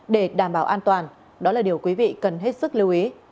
để đảm bảo an toàn đó là điều quý vị cần hết sức lưu ý